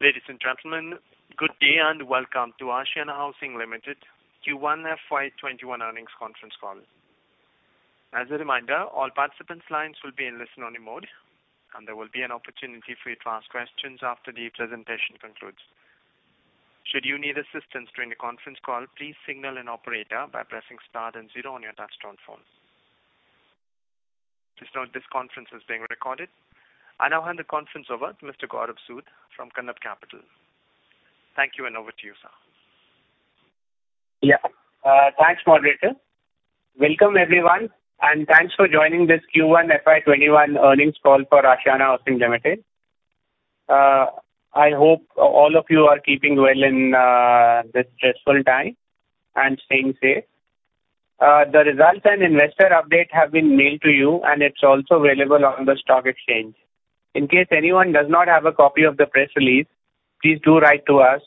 Ladies and gentlemen, good day, and welcome to Ashiana Housing Limited Q1 FY21 earnings conference call. As a reminder, all participants' lines will be in listen-only mode, and there will be an opportunity for you to ask questions after the presentation concludes. Should you need assistance during the conference call, please signal an operator by pressing star then zero on your touchtone phone. Please note, this conference is being recorded. I now hand the conference over to Mr. Gaurav Sood from Kanav Capital. Thank you, and over to you, sir. Yeah, thanks, Operator. Welcome, everyone, and thanks for joining this Q1 FY21 earnings call for Ashiana Housing Limited. I hope all of you are keeping well in this stressful time and staying safe. The results and investor update have been mailed to you, and it's also available on the stock exchange. In case anyone does not have a copy of the press release, please do write to us.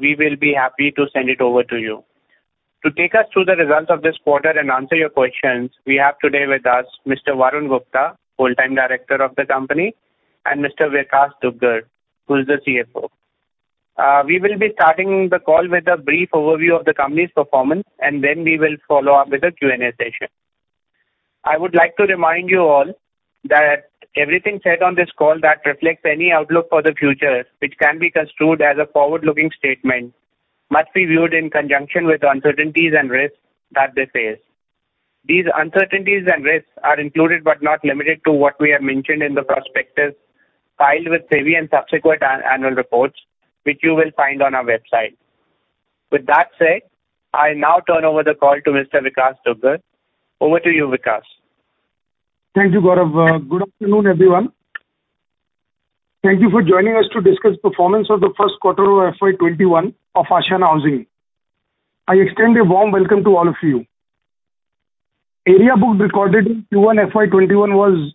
We will be happy to send it over to you. To take us through the results of this quarter and answer your questions, we have today with us Mr. Varun Gupta, Full-time Director of the company, and Mr. Vikash Dugar, who is the CFO. We will be starting the call with a brief overview of the company's performance, and then we will follow up with a Q&A session. I would like to remind you all that everything said on this call that reflects any outlook for the future, which can be construed as a forward-looking statement, must be viewed in conjunction with the uncertainties and risks that they face. These uncertainties and risks are included, but not limited to, what we have mentioned in the prospectus filed with SEBI and subsequent annual reports, which you will find on our website. With that said, I now turn over the call to Mr. Vikash Dugar. Over to you, Vikash. Thank you, Gaurav. Good afternoon, everyone. Thank you for joining us to discuss performance of the first quarter of FY21 of Ashiana Housing. I extend a warm welcome to all of you. Area booked recorded in Q1 FY21 was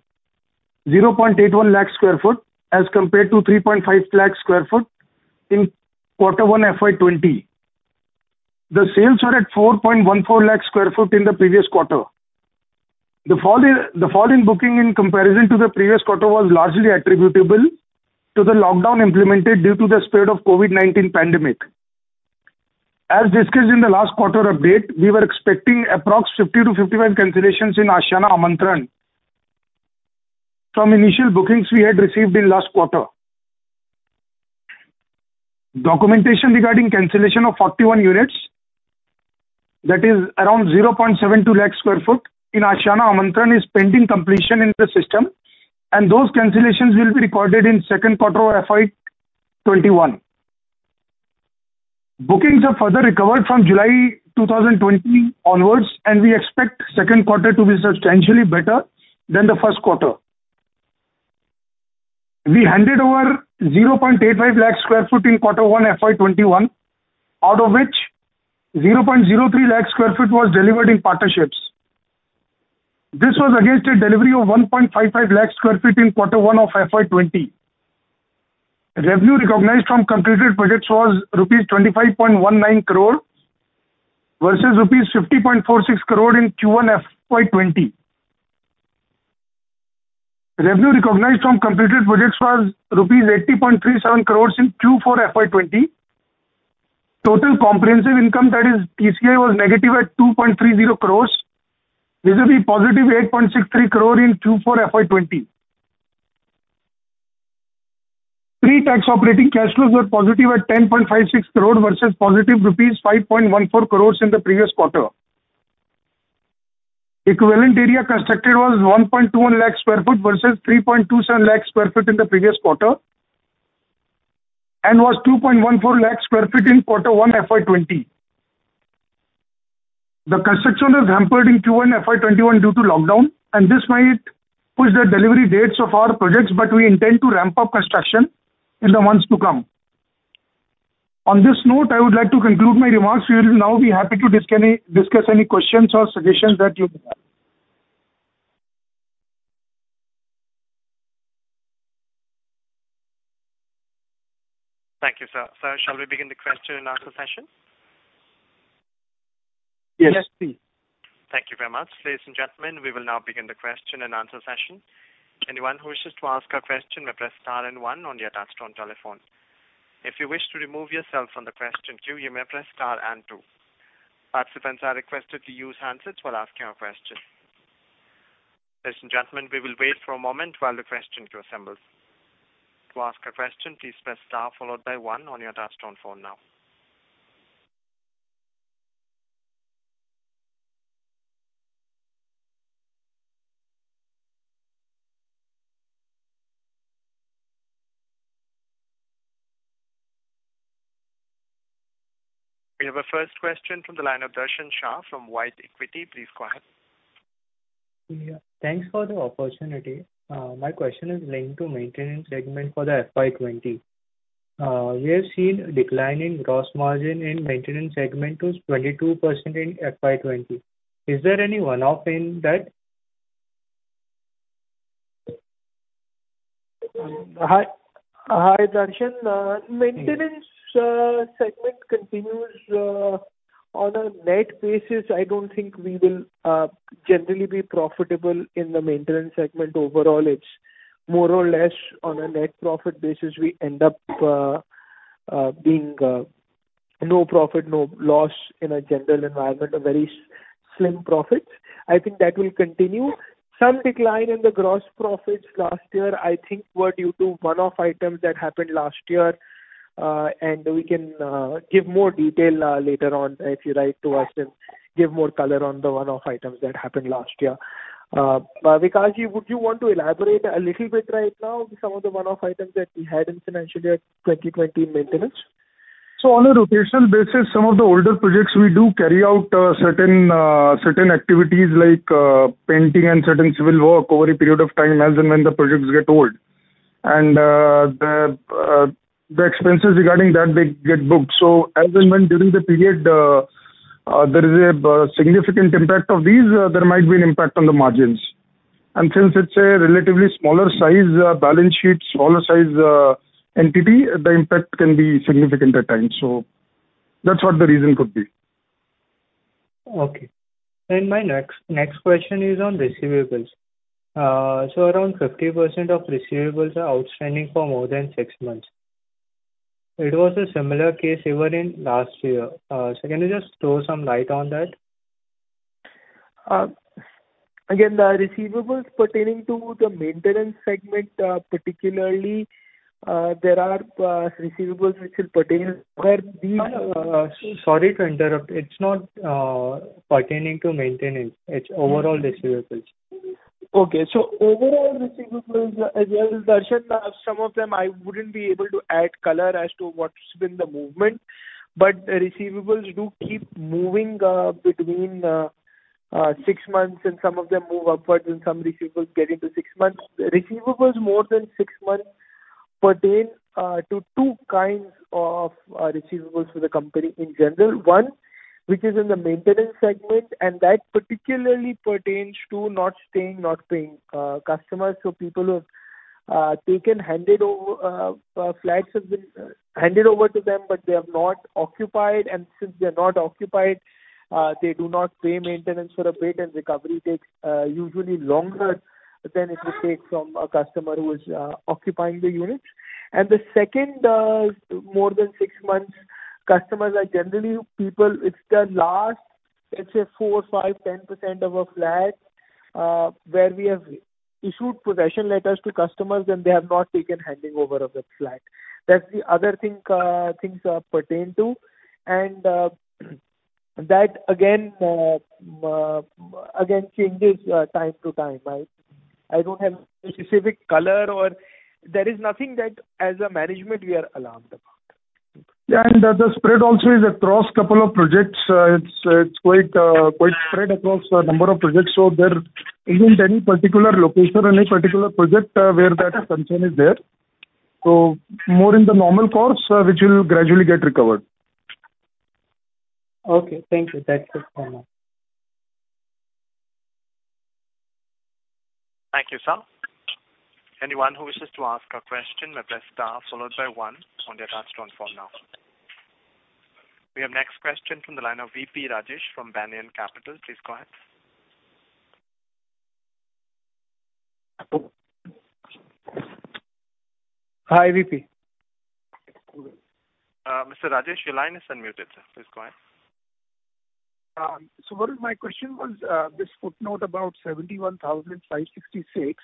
0.81 lakh sq ft as compared to 3.5 lakh sq ft in quarter one, FY20. The sales are at 4.14 lakh sq ft in the previous quarter. The fall in booking in comparison to the previous quarter was largely attributable to the lockdown implemented due to the spread of COVID-19 pandemic. As discussed in the last quarter update, we were expecting approx 50-55 cancellations in Ashiana Amantran. From initial bookings, we had received in last quarter. Documentation regarding cancellation of 41 units, that is around 0.72 lakh sq ft in Ashiana Amantran, is pending completion in the system, and those cancellations will be recorded in second quarter of FY21. Bookings have further recovered from July 2020 onwards, and we expect second quarter to be substantially better than the first quarter. We handed over 0.85 lakh sq ft in quarter one, FY21, out of which 0.03 lakh sq ft was delivered in partnerships. This was against a delivery of 1.55 lakh sq ft in quarter one of FY20. Revenue recognized from completed projects was 25.19 crore rupees, versus 50.46 crore rupees in Q1 FY20. Revenue recognized from completed projects was rupees 80.37 crore in Q4 FY20. Total comprehensive income, that is TCI, was negative at 2.30 crore, vis-à-vis positive 8.63 crore in Q4 FY20. Pre-tax operating cash flows were positive at 10.56 crore, versus positive rupees 5.14 crore in the previous quarter. Equivalent area constructed was 1.21 lakh sq ft versus 3.27 lakh sq ft in the previous quarter, and was 2.14 lakh sq ft in Q1 FY20. The construction was hampered in Q1 FY21 due to lockdown, and this might push the delivery dates of our projects, but we intend to ramp up construction in the months to come. On this note, I would like to conclude my remarks. We will now be happy to discuss any questions or suggestions that you may have. Thank you, sir. Sir, shall we begin the question and answer session? Yes, please. Thank you very much. Ladies and gentlemen, we will now begin the question and answer session. Anyone who wishes to ask a question, may press star and one on your touchtone telephone. If you wish to remove yourself from the question queue, you may press star and two. Participants are requested to use handsets while asking a question. Ladies and gentlemen, we will wait for a moment while the question queue assembles. To ask a question, please press star followed by one on your touchtone phone now. We have our first question from the line of Darshan Shah from White Equities. Please go ahead. Yeah, thanks for the opportunity. My question is linked to maintenance segment for the FY20. We have seen a decline in gross margin in maintenance segment to 22% in FY20. Is there any one-off in that? Hi, hi, Darshan. Maintenance segment continues, ...On a net basis, I don't think we will generally be profitable in the maintenance segment. Overall, it's more or less on a net profit basis, we end up being no profit, no loss in a general environment, a very slim profit. I think that will continue. Some decline in the gross profits last year, I think, were due to one-off items that happened last year. And we can give more detail later on if you write to us and give more color on the one-off items that happened last year. Vikash, would you want to elaborate a little bit right now some of the one-off items that we had in financial year 2020 maintenance? So on a rotational basis, some of the older projects we do carry out certain activities like painting and certain civil work over a period of time, as and when the projects get old. And the expenses regarding that, they get booked. So as and when, during the period, there is a significant impact of these, there might be an impact on the margins. And since it's a relatively smaller size balance sheet, smaller size entity, the impact can be significant at times. So that's what the reason could be. Okay. My next, next question is on receivables. So around 50% of receivables are outstanding for more than six months. It was a similar case even in last year. So can you just throw some light on that? Again, the receivables pertaining to the maintenance segment, particularly, there are receivables which will pertain where the Sorry to interrupt. It's not pertaining to maintenance, it's overall receivables. Okay, so overall receivables, as well as Darshan, some of them I wouldn't be able to add color as to what's been the movement. But receivables do keep moving between 6 months, and some of them move upwards, and some receivables get into 6 months. Receivables more than 6 months pertain to 2 kinds of receivables for the company in general. One, which is in the maintenance segment, and that particularly pertains to not staying, not paying customers. So people who have taken handed over flats have been handed over to them, but they are not occupied. And since they're not occupied, they do not pay maintenance for a bit, and recovery takes usually longer than it would take from a customer who is occupying the units. And the second, more than six months, customers are generally people... It's the last, let's say, 4, 5, 10% of a flat, where we have issued possession letters to customers, and they have not taken handing over of the flat. That's the other thing, things, pertain to. And, that again, again, changes, time to time. I, I don't have a specific color or there is nothing that, as a management, we are alarmed about. Yeah, and the spread also is across a couple of projects. It's quite spread across a number of projects. So there isn't any particular location, any particular project where that concern is there. So more in the normal course, which will gradually get recovered. Okay, thank you. That's it for now. Thank you, sir. Anyone who wishes to ask a question, press star followed by one on their touchtone phone now. We have next question from the line of VP Rajesh from Banyan Capital. Please go ahead. Hi, VP. Mr. Rajesh, your line is unmuted, sir. Please go ahead. So one of my question was, this footnote about 71,566.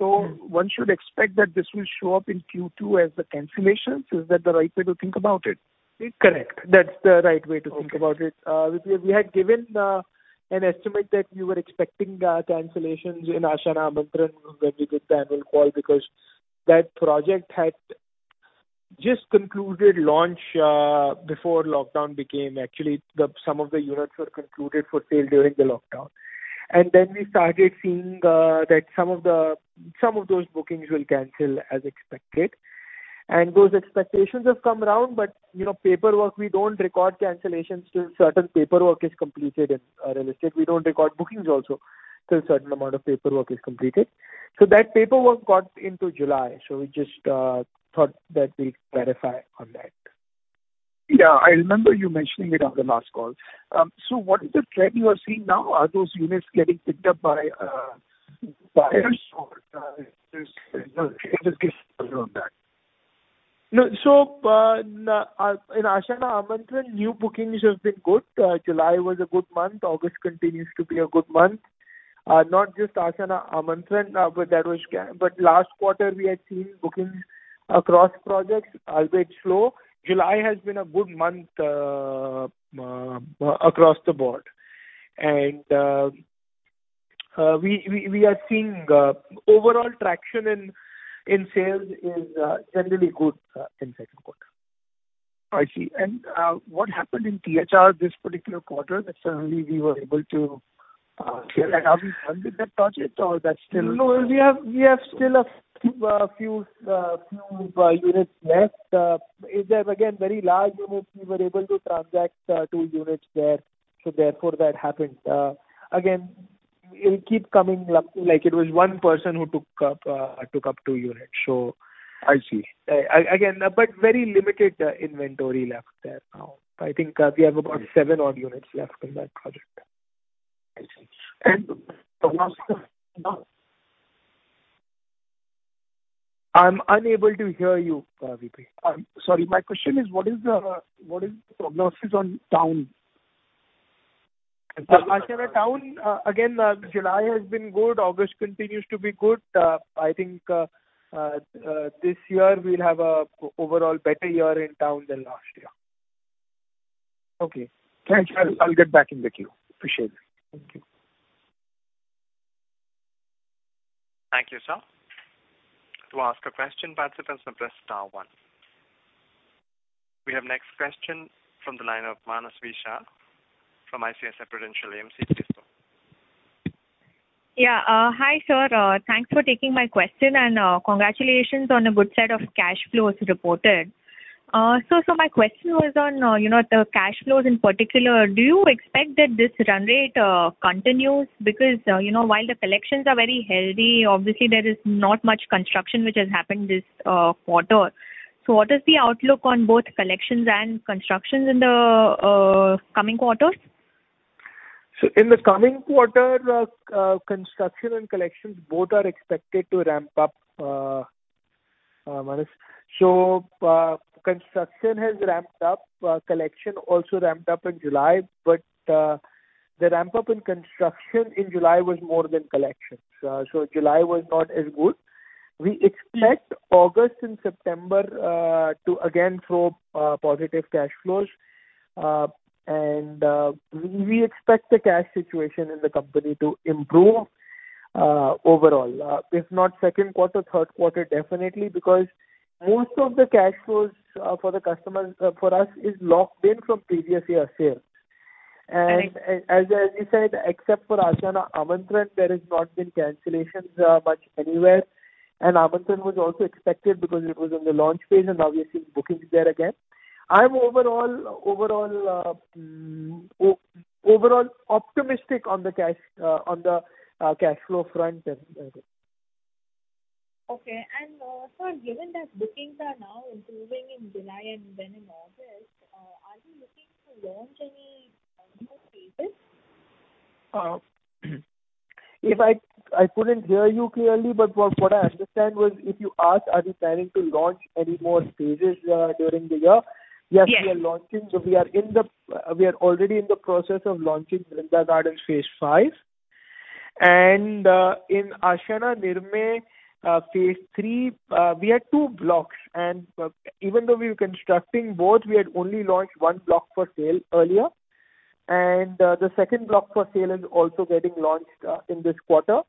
Mm-hmm. One should expect that this will show up in Q2 as the cancellations. Is that the right way to think about it? Correct. That's the right way to think about it. Okay. We had given an estimate that we were expecting cancellations in Ashiana Amantran when we did the annual call, because that project had just concluded launch before lockdown became. Actually, some of the units were concluded for sale during the lockdown. And then we started seeing that some of those bookings will cancel as expected. And those expectations have come around, but you know, paperwork, we don't record cancellations till certain paperwork is completed. In real estate, we don't record bookings also till a certain amount of paperwork is completed. So that paperwork got into July, so we just thought that we'd clarify on that. Yeah, I remember you mentioning it on the last call. So what is the trend you are seeing now? Are those units getting picked up by buyers or, there's, if you could just touch on that? No, so, in Ashiana Amantran, new bookings have been good. July was a good month. August continues to be a good month. Not just Ashiana Amantran, but last quarter, we had seen bookings across projects, albeit slow. July has been a good month, across the board. And, we are seeing, overall traction in sales is generally good, in second quarter. I see. And, what happened in THR this particular quarter, that suddenly we were able to, have we funded that project or that's still- No, we have still a few units left. It is, again, very large units. We were able to transact two units there, so therefore that happened. It will keep coming up, like it was one person who took up two units. So- I see. Again, but very limited inventory left there now. I think we have about seven odd units left in that project. I see. And I'm unable to hear you, Vivek. Sorry. My question is, what is the prognosis on town? I said on Ashiana Town, again, July has been good, August continues to be good. I think this year we'll have an overall better year in Ashiana Town than last year. Okay, thank you. I'll, I'll get back in the queue. Appreciate it. Thank you. Thank you, sir. To ask a question, participants press star one. We have next question from the line of Manasvi Shah from ICICI Prudential AMC. Please go. Yeah. Hi, sir. Thanks for taking my question, and, congratulations on the good set of cash flows reported. So, so my question was on, you know, the cash flows in particular. Do you expect that this run rate continues? Because, you know, while the collections are very healthy, obviously there is not much construction which has happened this quarter. So what is the outlook on both collections and constructions in the coming quarters? So in the coming quarter, construction and collections both are expected to ramp up, Manasvi. Construction has ramped up, collections also ramped up in July, but the ramp up in construction in July was more than collections. July was not as good. We expect August and September to again show positive cash flows. We expect the cash situation in the company to improve overall. If not second quarter, third quarter, definitely, because most of the cash flows for the customers for us is locked in from previous year's sales. I think- And as you said, except for Ashiana Amantran, there has not been cancellations much anywhere. And Amantran was also expected because it was in the launch phase, and obviously bookings there again. I'm overall optimistic on the cash flow front end. Okay. Sir, given that bookings are now improving in July and then in August, are you looking to launch any new phases? If I... I couldn't hear you clearly, but what, what I understand was, if you asked, are we planning to launch any more phases during the year? Yes. Yes, we are launching. We are already in the process of launching Vrinda Gardens Phase 5. In Ashiana Nirmay Phase 3, we had two blocks, and even though we were constructing both, we had only launched one block for sale earlier. The second block for sale is also getting launched in this quarter.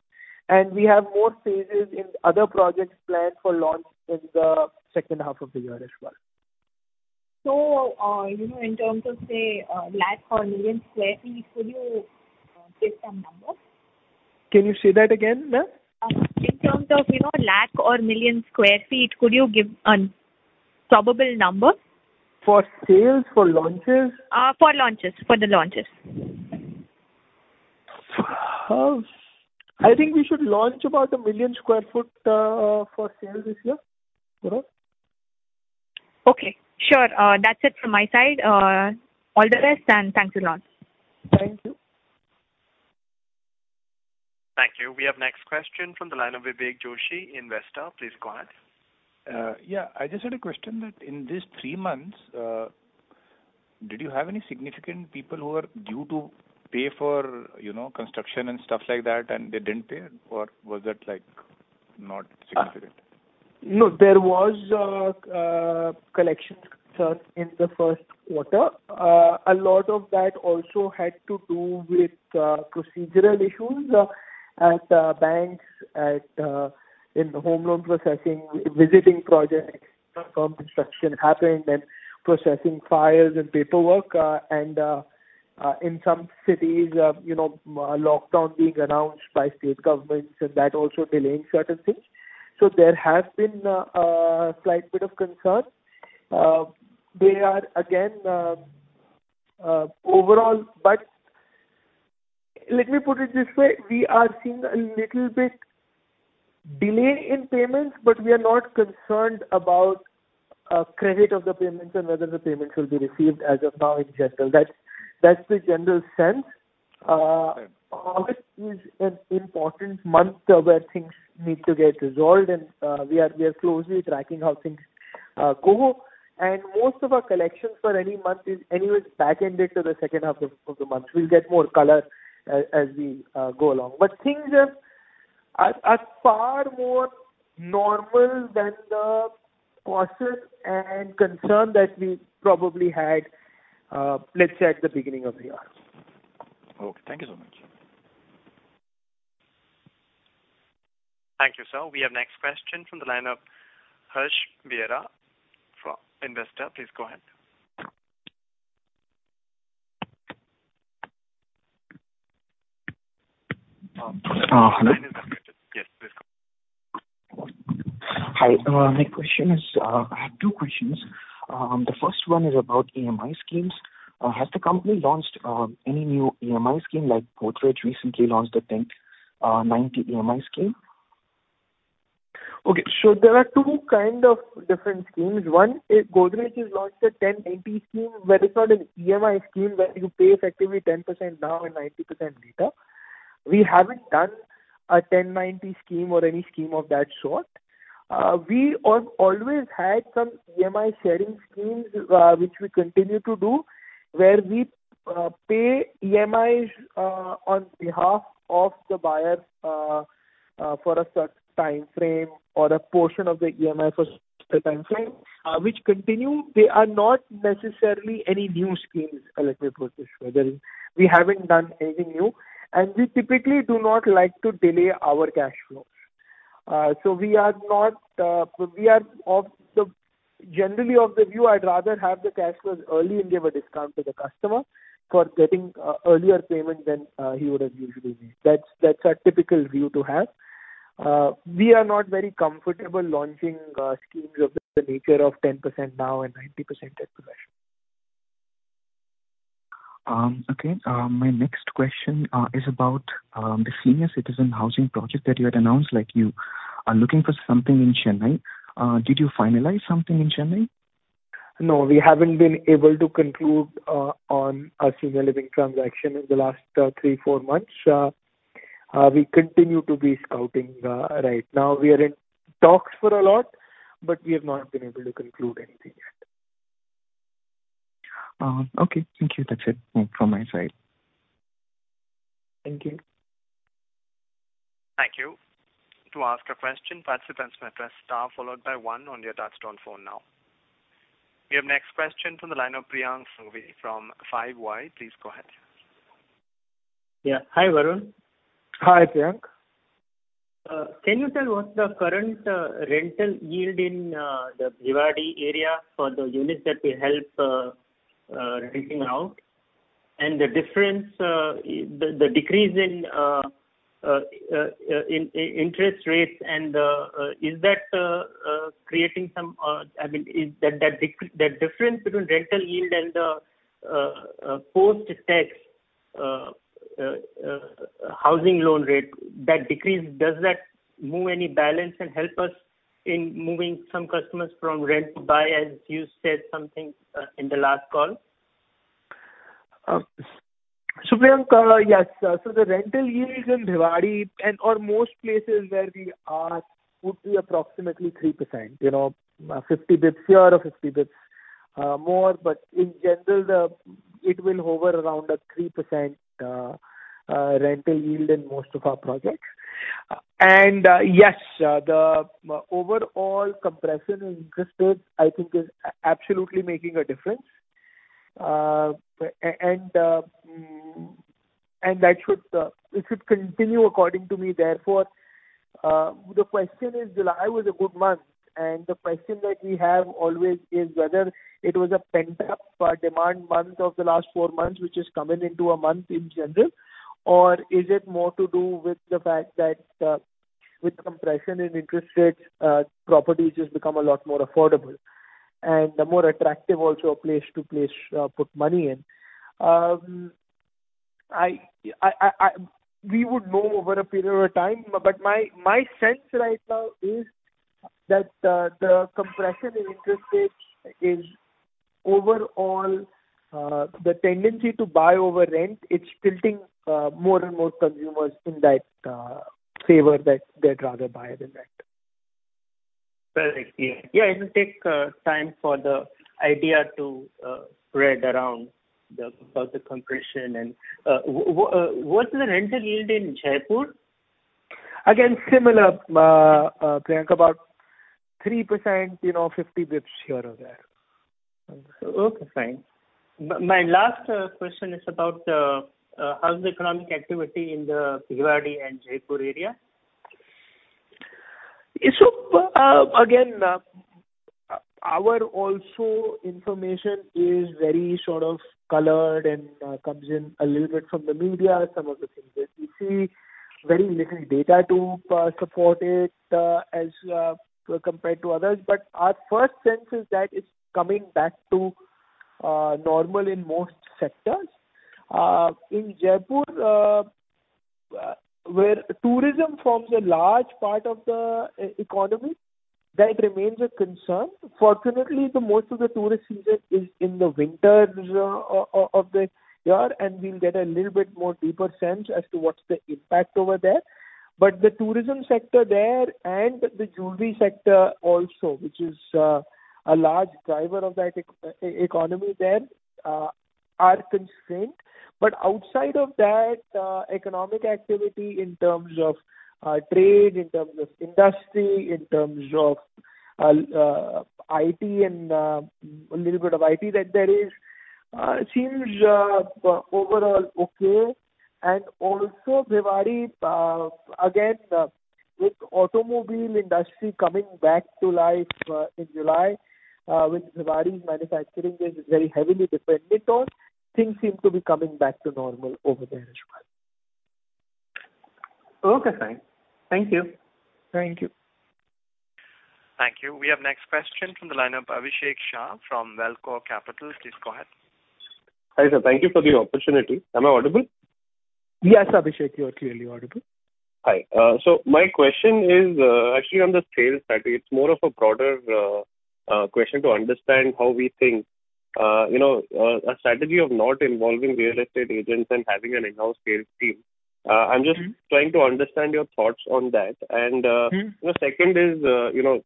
We have more phases in other projects planned for launch in the second half of the year as well. You know, in terms of, say, lakh or million sq ft, could you give some numbers? Can you say that again, ma'am? In terms of, you know, lakh or million square feet, could you give a probable number? For sales? For launches? For launches. For the launches. I think we should launch about 1 million sq ft for sales this year. Overall. Okay. Sure, that's it from my side. All the best, and thanks a lot. Thank you. Thank you. We have next question from the line of Vivek Joshi, Investor. Please go ahead. Yeah, I just had a question that in these three months, did you have any significant people who were due to pay for, you know, construction and stuff like that, and they didn't pay? Or was that, like, not significant? No, there was collection concern in the first quarter. A lot of that also had to do with procedural issues at banks, in the home loan processing, visiting projects, confirm construction happened, and processing files and paperwork. And in some cities, you know, lockdown being announced by state governments, and that also delaying certain things. So there has been a slight bit of concern. They are again overall... But let me put it this way, we are seeing a little bit delay in payments, but we are not concerned about credit of the payments and whether the payments will be received as of now in general. That's the general sense. Okay. August is an important month, where things need to get resolved and we are closely tracking how things go. And most of our collections for any month is anyways backended to the second half of the month. We'll get more color as we go along. But things are far more normal than the caution and concern that we probably had, let's say, at the beginning of the year. Okay, thank you so much. Thank you, sir. We have next question from the line of Harsh Vora from Investor. Please go ahead. ... Hi, my question is, I have two questions. The first one is about EMI schemes. Has the company launched any new EMI scheme, like Godrej recently launched, I think, 90 EMI scheme? Okay. There are two kind of different schemes. One, is Godrej has launched a 10-90 scheme, where it's not an EMI scheme, where you pay effectively 10% now and 90% later. We haven't done a 10-90 scheme or any scheme of that sort. We have always had some EMI sharing schemes, which we continue to do, where we pay EMIs on behalf of the buyer for a certain time frame or a portion of the EMI for the time frame, which continue. They are not necessarily any new schemes, as you know, whether we haven't done anything new, and we typically do not like to delay our cash flows. So we are not, we are generally of the view, I'd rather have the cash flows early and give a discount to the customer for getting earlier payment than he would have usually made. That's our typical view to have. We are not very comfortable launching schemes of the nature of 10% now and 90% at the end. Okay. My next question is about the senior citizen housing project that you had announced, like you are looking for something in Chennai. Did you finalize something in Chennai? No, we haven't been able to conclude on a senior living transaction in the last 3-4 months. We continue to be scouting right now. We are in talks for a lot, but we have not been able to conclude anything yet. Okay. Thank you. That's it from my side. Thank you. Thank you. To ask a question, participants may press Star followed by one on your touchtone phone now. Your next question from the line of Priyank Singhvi from 5Y. Please go ahead. Yeah. Hi, Varun. Hi, Priyank. Can you tell what's the current rental yield in the Bhiwadi area for the units that we help renting out? And the difference, the decrease in interest rates and is that creating some, I mean, is that, that difference between rental yield and the post-tax housing loan rate, that decrease, does that move any balance and help us in moving some customers from rent to buy, as you said something in the last call? So Priyank, yes. So the rental yields in Bhiwadi and/or most places where we are, would be approximately 3%. You know, 50 basis or 50 basis, more, but in general, the... it will hover around a 3%, rental yield in most of our projects. And, yes, the overall compression in interest rates, I think, is absolutely making a difference. And, and that should, it should continue according to me therefore. The question is, July was a good month, and the question that we have always is whether it was a pent-up demand month of the last four months, which is coming into a month in general, or is it more to do with the fact that with compression in interest rates, properties has become a lot more affordable and a more attractive also a place to place put money in? We would know over a period of time, but my sense right now is that the compression in interest rates is overall the tendency to buy over rent, it's tilting more and more consumers in that favor, that they'd rather buy than rent. Perfectly. Yeah, it will take time for the idea to spread around the, about the compression. And, what's the rental yield in Jaipur? Again, similar, Priyank, about 3%, you know, 50 basis here or there. Okay, fine. My last question is about how's the economic activity in the Bhiwadi and Jaipur area? So, again, our overall information is very sort of colored and comes in a little bit from the media, some of the things that we see, very little data to support it, as compared to others. But our first sense is that it's coming back to normal in most sectors. In Jaipur, where tourism forms a large part of the economy, that remains a concern. Fortunately, most of the tourist season is in the winters of the year, and we'll get a little bit more deeper sense as to what's the impact over there. But the tourism sector there and the jewelry sector also, which is a large driver of that economy there, are constrained. But outside of that, economic activity in terms of, trade, in terms of industry, in terms of, IT and, a little bit of IT that there is, seems, overall okay. And also, Bhiwadi, again, with automobile industry coming back to life, in July, which Bhiwadi's manufacturing is very heavily dependent on, things seem to be coming back to normal over there as well. Okay, fine. Thank you. Thank you. Thank you. We have next question from the lineup, Abhishek Shah from Valcore Capital. Please go ahead. Hi, sir. Thank you for the opportunity. Am I audible? Yes, Abhishek, you are clearly audible. Hi. So my question is actually on the sales strategy. It's more of a broader question to understand how we think. You know, a strategy of not involving real estate agents and having an in-house sales team. I'm just- Mm-hmm. Trying to understand your thoughts on that. Mm-hmm. The second is, you know,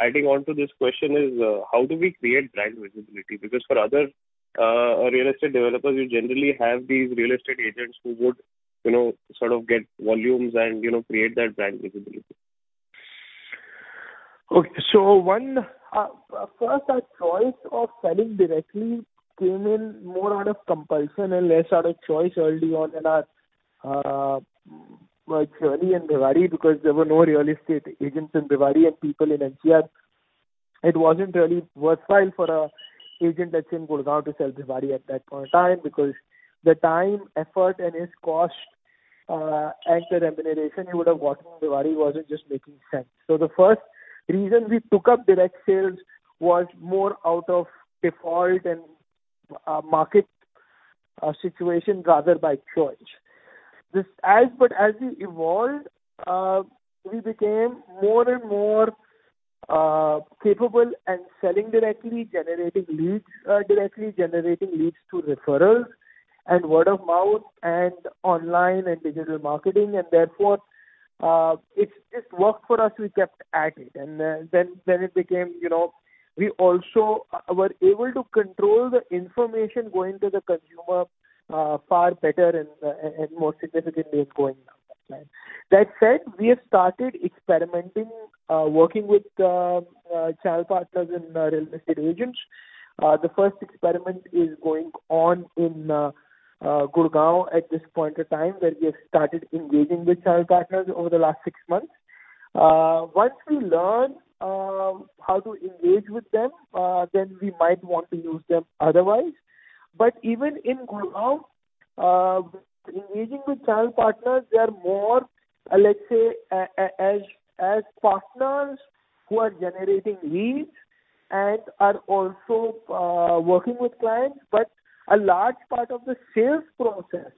adding on to this question is, how do we create brand visibility? Because for other real estate developers, you generally have these real estate agents who would, you know, sort of get volumes and, you know, create that brand visibility. Okay. So one, first, our choice of selling directly came in more out of compulsion and less out of choice early on in our journey in Rewari, because there were no real estate agents in Rewari and people in NCR. It wasn't really worthwhile for an agent that's in Gurgaon to sell Rewari at that point in time, because the time, effort and its cost, and the remuneration he would have got from Rewari wasn't just making sense. So the first reason we took up direct sales was more out of default and, market, situation rather by choice. But as we evolved, we became more and more, capable and selling directly, generating leads, directly generating leads to referrals and word of mouth and online and digital marketing, and therefore, it, it worked for us, we kept at it. Then it became, you know, we also were able to control the information going to the consumer far better and more significantly going down that line. That said, we have started experimenting, working with channel partners and real estate agents. The first experiment is going on in Gurgaon at this point in time, where we have started engaging with channel partners over the last six months. Once we learn how to engage with them, then we might want to use them otherwise. But even in Gurgaon, engaging with channel partners, they are more, let's say, as partners who are generating leads and are also working with clients. But a large part of the sales process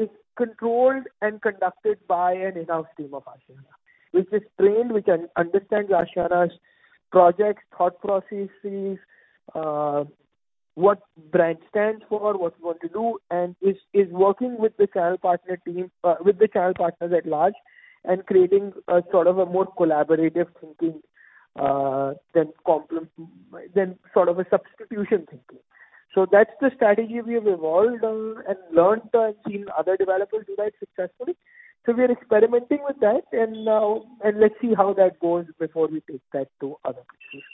is controlled and conducted by an in-house team of Ashiana, which is trained, which can understand Ashiana's projects, thought processes, what brand stands for, what we want to do, and is working with the channel partner team, with the channel partners at large, and creating a sort of a more collaborative thinking than sort of a substitution thinking. So that's the strategy we have evolved on and learnt and seen other developers do that successfully. So we are experimenting with that, and let's see how that goes before we take that to other places.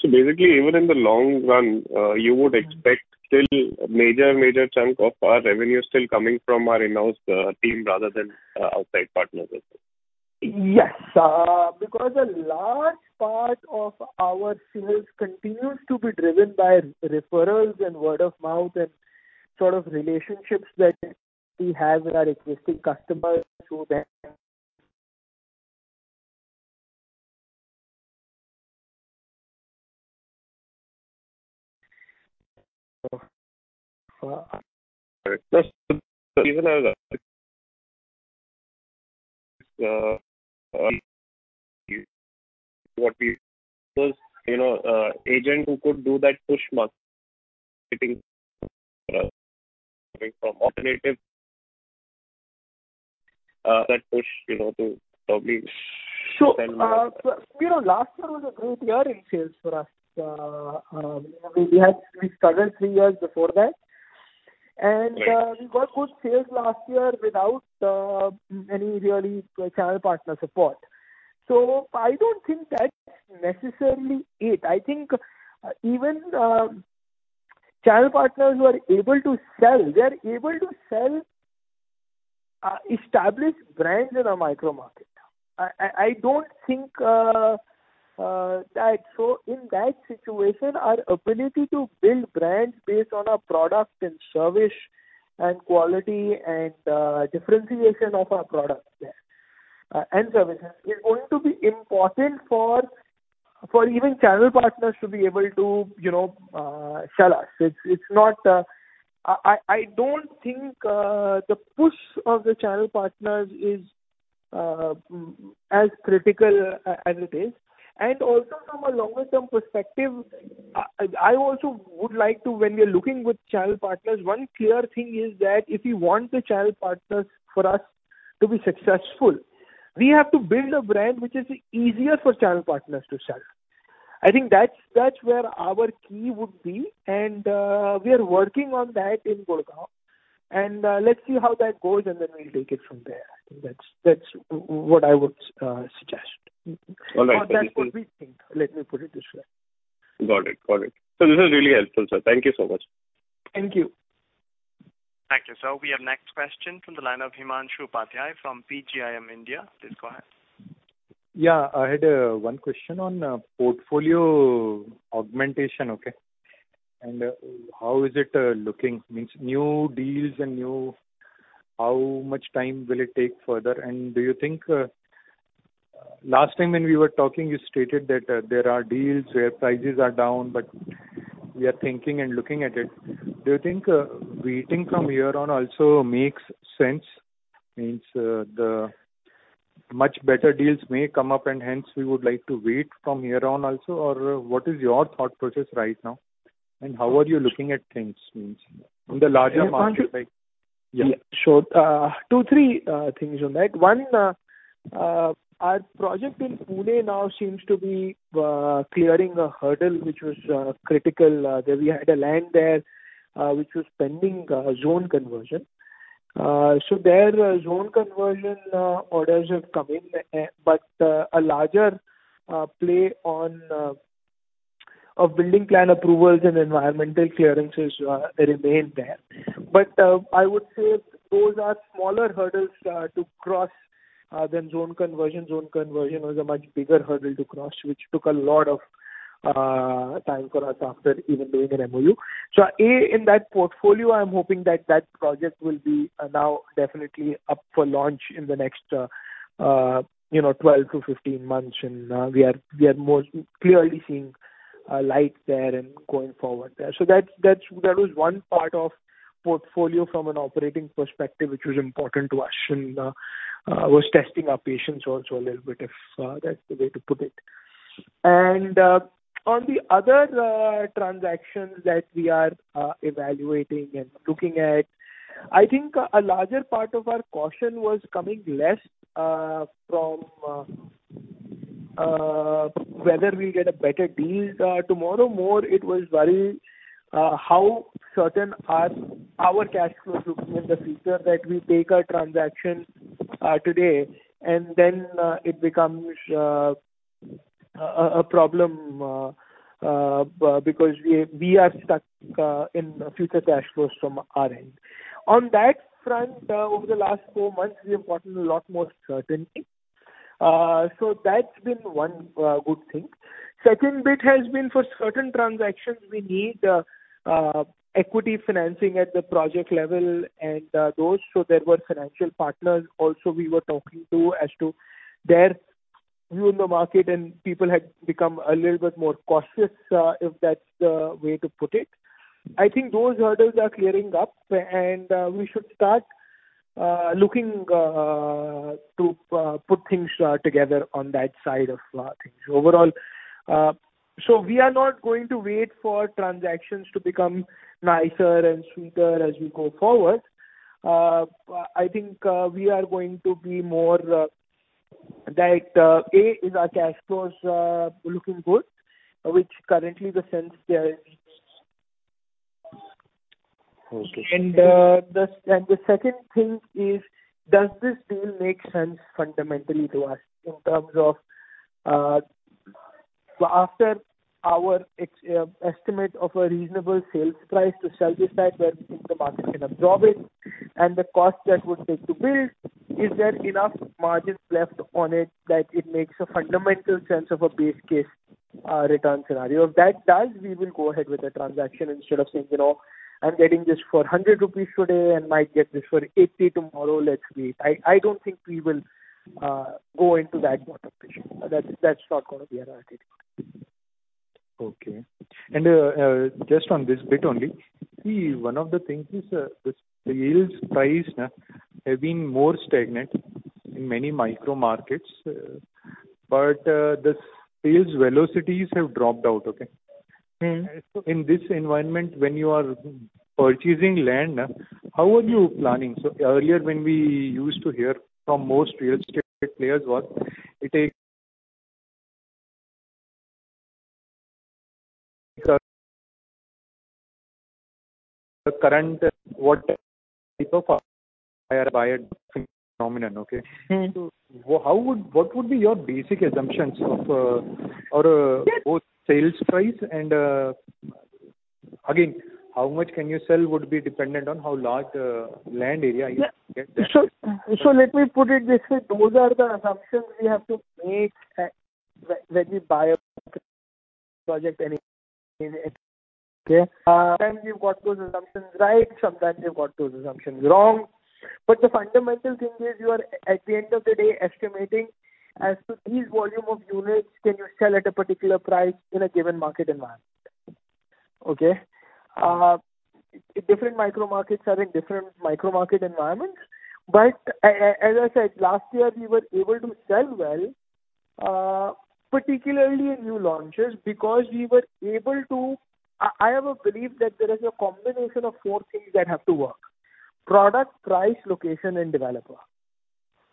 So basically, even in the long run, you would expect still major, major chunk of our revenue still coming from our in-house, team rather than, outside partners as well? Yes, because a large part of our sales continues to be driven by referrals and word of mouth and sort of relationships that we have with our existing customers, so that- Just even, what we, you know, agent who could do that push marketing, coming from alternative, that push, you know, to probably then- So, you know, last year was a great year in sales for us. We struggled three years before that. Yes. We got good sales last year without any really channel partner support. So I don't think that's necessarily it. I think even channel partners who are able to sell, they are able to sell established brands in a micro market. So in that situation, our ability to build brands based on our product and service and quality and differentiation of our product there and services is going to be important for even channel partners to be able to, you know, sell us. It's not... I don't think the push of the channel partners is as critical as it is. And also from a longer term perspective, I also would like to when we are looking with channel partners, one clear thing is that if you want the channel partners for us to be successful, we have to build a brand which is easier for channel partners to sell. I think that's where our key would be, and we are working on that in Gurgaon. And let's see how that goes, and then we'll take it from there. I think that's what I would suggest. All right. Or that will be, I think. Let me put it this way. Got it. Got it. So this is really helpful, sir. Thank you so much. Thank you. Thank you. So we have next question from the line of Himanshu Upadhyay from PGIM India. Please go ahead. ...Yeah, I had one question on portfolio augmentation, okay? And how is it looking? Means new deals and new-- how much time will it take further? And do you think last time when we were talking, you stated that there are deals where prices are down, but we are thinking and looking at it. Do you think waiting from here on also makes sense? Means the much better deals may come up and hence we would like to wait from here on also or what is your thought process right now, and how are you looking at things, means, in the larger market like- Yeah, sure. Two, three things on that. One, our project in Pune now seems to be clearing a hurdle, which was critical. There we had a land there, which was pending zone conversion. So their zone conversion orders have come in, but a larger play on building plan approvals and environmental clearances remain there. But I would say those are smaller hurdles to cross than zone conversion. Zone conversion was a much bigger hurdle to cross, which took a lot of time for us after even doing an MOU. So, A, in that portfolio, I'm hoping that that project will be now definitely up for launch in the next, you know, 12-15 months. We are more clearly seeing a light there and going forward there. So that's, that was one part of portfolio from an operating perspective, which was important to us, and was testing our patience also a little bit, if that's the way to put it. On the other transactions that we are evaluating and looking at, I think a larger part of our caution was coming less from whether we get a better deal tomorrow. More it was very how certain are our cash flows looking in the future that we take our transaction today, and then it becomes a problem because we are stuck in future cash flows from our end. On that front, over the last four months, we have gotten a lot more certainty. That's been one good thing. Second bit has been for certain transactions we need equity financing at the project level and those, so there were financial partners also we were talking to as to their view in the market, and people had become a little bit more cautious, if that's the way to put it. I think those hurdles are clearing up, and we should start looking to put things together on that side of things. Overall, we are not going to wait for transactions to become nicer and sweeter as we go forward. I think we are going to be more, that A is our cash flows looking good, which currently the sense there is. Okay. The second thing is, does this deal make sense fundamentally to us in terms of, so after our estimate of a reasonable sales price to sell this at, where we think the market can absorb it and the cost that would take to build, is there enough margins left on it that it makes a fundamental sense of a base case, return scenario? If that does, we will go ahead with the transaction instead of saying, "You know, I'm getting this for 100 rupees today, and might get this for 80 tomorrow, let's wait." I don't think we will go into that mode of thinking. That's not going to be our attitude. Okay. And, just on this bit only, see, one of the things is, the sales price, have been more stagnant in many micro markets, but, the sales velocities have dropped out, okay? Mm-hmm. So in this environment, when you are purchasing land, how are you planning? So earlier when we used to hear from most real estate players was it takes... the current what buyer, buyer phenomenon, okay? Mm-hmm. How would—what would be your basic assumptions of? Yes. Both sales price and, again, how much can you sell would be dependent on how large land area you get there? So, let me put it this way. Those are the assumptions we have to make when we buy a project, any okay? Sometimes you've got those assumptions right, sometimes you've got those assumptions wrong. But the fundamental thing is you are, at the end of the day, estimating as to these volume of units, can you sell at a particular price in a given market environment, okay? Different micro markets are in different micro market environments. But as I said, last year, we were able to sell well, particularly in new launches, because we were able to... I have a belief that there is a combination of four things that have to work: product, price, location, and developer,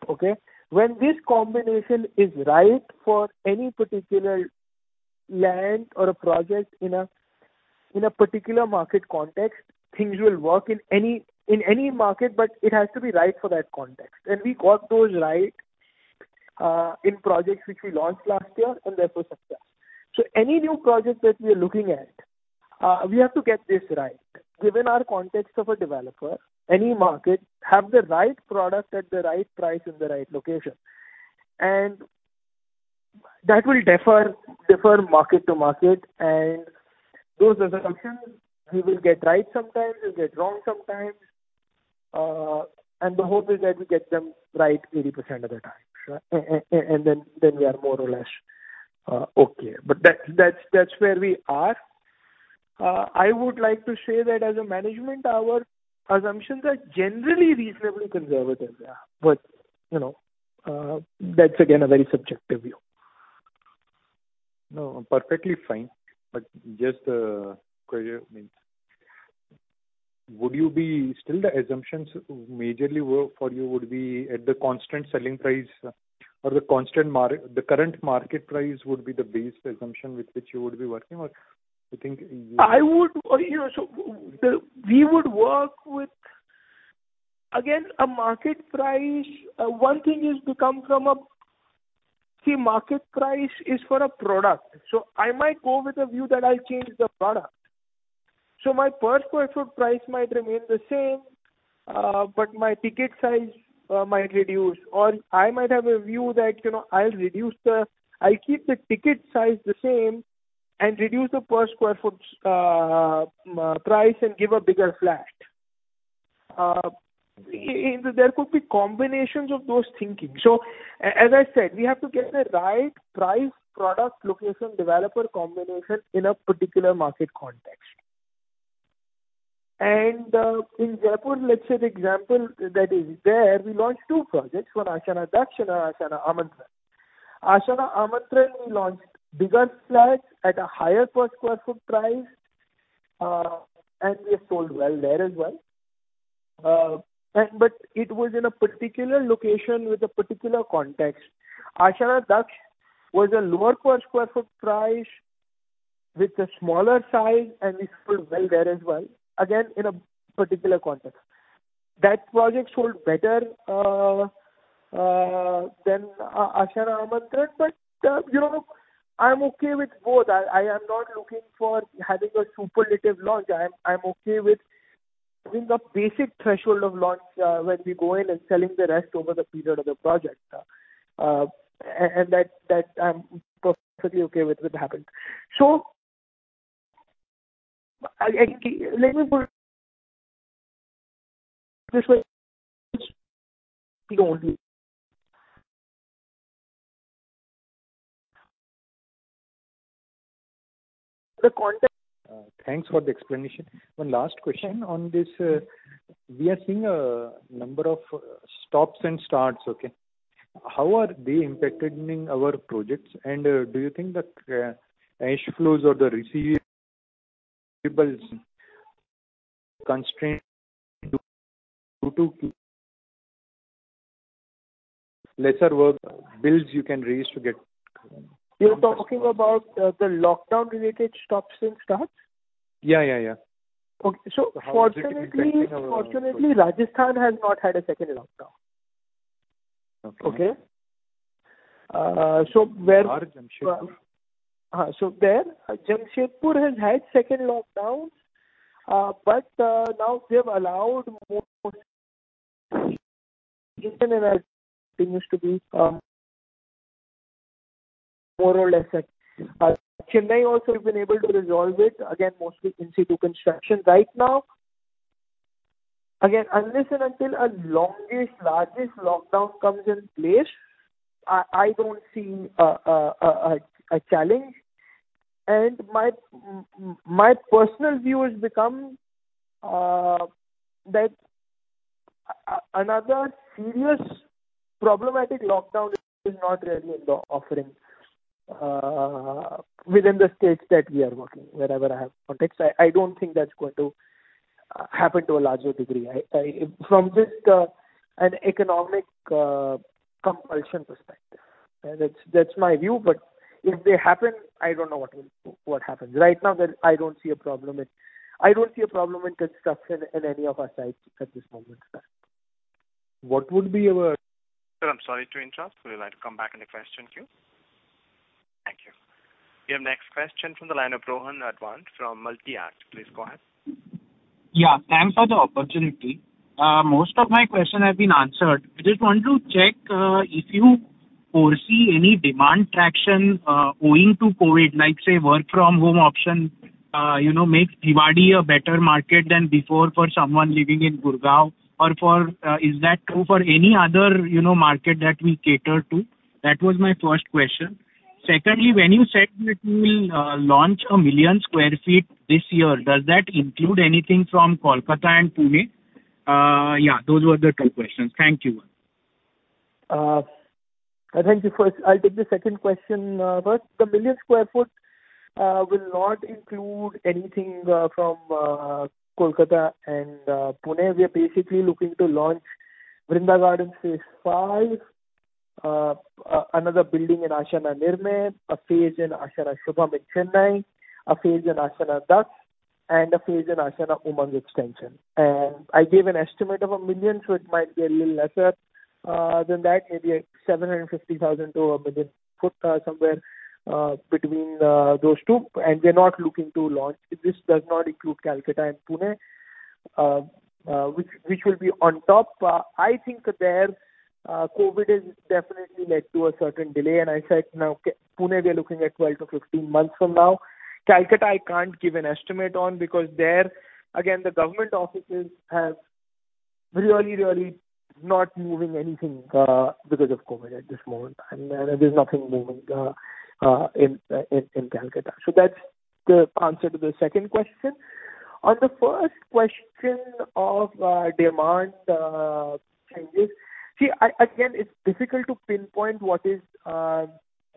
okay? When this combination is right for any particular land or a project in a particular market context, things will work in any market, but it has to be right for that context. And we got those right in projects which we launched last year, and therefore success. So any new project that we are looking at, we have to get this right. Given our context of a developer, any market have the right product at the right price in the right location. And that will differ market to market, and those are the options we will get right sometimes, we'll get wrong sometimes. And the hope is that we get them right 80% of the time, right? And then we are more or less okay. But that's where we are. I would like to say that as a management, our assumptions are generally reasonably conservative. You know, that's again a very subjective view. No, perfectly fine. But just, question, would you be still the assumptions majorly work for you would be at the constant selling price or the constant, the current market price would be the base assumption with which you would be working, or you think- I would, you know, so we would work with, again, a market price. One thing is to come from a. See, market price is for a product, so I might go with a view that I'll change the product. So my per square foot price might remain the same, but my ticket size might reduce, or I might have a view that, you know, I'll reduce the... I'll keep the ticket size the same and reduce the per square foot price and give a bigger flat. And there could be combinations of those thinking. So as I said, we have to get the right price, product, location, developer combination in a particular market context. And in Jaipur, let's say the example that is there, we launched two projects, one Ashiana Daksh and Ashiana Amantran. Ashiana Amantran, we launched bigger flats at a higher per square foot price, and we have sold well there as well. And but it was in a particular location with a particular context. Ashiana Daksh was a lower per square foot price with a smaller size, and we sold well there as well, again, in a particular context. That project sold better than Ashiana Amantran. But, you know, I'm okay with both. I am not looking for having a superlative launch. I am, I'm okay with having a basic threshold of launch, when we go in and selling the rest over the period of the project. And that, that I'm perfectly okay with what happened. So, again, let me put it this way, only. The context- Thanks for the explanation. One last question on this. We are seeing a number of stops and starts, okay? How are they impacting our projects, and, do you think that, cash flows or the receivables constraint due to lesser work bills you can raise to get? You're talking about the lockdown-related stops and starts? Yeah, yeah, yeah. Okay. So fortunately- How is it impacting? Fortunately, Rajasthan has not had a second lockdown. Okay. Okay? So where- Or Jamshedpur. So there, Jamshedpur has had second lockdowns, but now they have allowed more continues to be more or less like Chennai also we've been able to resolve it, again, mostly in situ construction. Right now, again, unless and until a longest, largest lockdown comes in place, I don't see a challenge. And my personal view has become that another serious problematic lockdown is not really in the offering within the states that we are working, wherever I have context. I don't think that's going to happen to a larger degree. From just an economic compulsion perspective. And that's my view, but if they happen, I don't know what will happen. Right now, there, I don't see a problem with, I don't see a problem with construction in any of our sites at this moment, sir. What would be your- Sir, I'm sorry to interrupt. We would like to come back in the question queue. Thank you. Your next question from the line of Rohan Advani from Multi-Act. Please go ahead. Yeah, thanks for the opportunity. Most of my questions have been answered. I just want to check if you foresee any demand traction owing to COVID, like, say, work from home option, you know, makes Bhiwadi a better market than before for someone living in Gurgaon? Or is that true for any other, you know, market that we cater to? That was my first question. Secondly, when you said that you will launch 1 million sq ft this year, does that include anything from Kolkata and Pune? Yeah, those were the two questions. Thank you. Thank you. First, I'll take the second question first. The 1 million sq ft will not include anything from Kolkata and Pune. We are basically looking to launch Vrinda Gardens phase five, another building in Ashiana Nirmay, a phase in Ashiana Shubham in Chennai, a phase in Ashiana Daksh, and a phase in Ashiana Umang extension. And I gave an estimate of a million, so it might be a little lesser than that, maybe like 750,000-1 million sq ft, somewhere between those two. And we're not looking to launch. This does not include Kolkata and Pune, which will be on top. I think there, COVID has definitely led to a certain delay, and I said now Kolkata and Pune, we are looking at 12-15 months from now. Kolkata, I can't give an estimate on, because there, again, the government offices have really, really not moving anything, because of COVID at this moment, and, there's nothing moving, in Kolkata. So that's the answer to the second question. On the first question of, demand, changes, see, again, it's difficult to pinpoint what is,